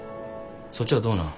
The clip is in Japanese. そっちはどうなん？